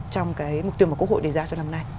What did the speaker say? trong cái mục tiêu mà quốc hội đề ra cho năm nay